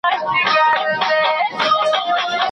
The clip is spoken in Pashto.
د جهاني له هري اوښکي دي را اوري تصویر